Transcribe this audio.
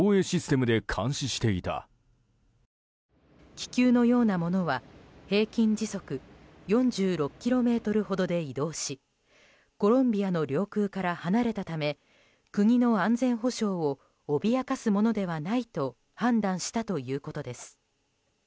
気球のようなものは平均時速４６キロメートルほどで移動しコロンビアの領空から離れたため国の安全保障を脅かすものではないと判断したということです。